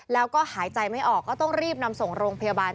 แล้วก็หายใจไม่ออกก็ต้องรีบนำส่งโรงพยาบาล